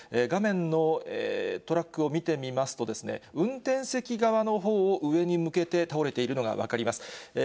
画面のトラックを見てみますと、運転席側のほうを上に向けて倒れているのが分かります。